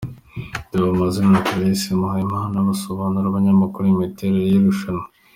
Deo Mazina na Clarisse Muhayimana basobanurira abanyamakuru imiterere y'iri rushanwa.